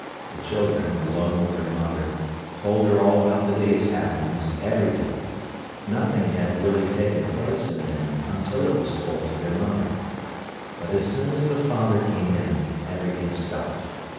The children, alone with their mother, told her all about the day's happenings, everything. Nothing had really taken place in them until it was told to their mother. But as soon as the father came in, everything stopped.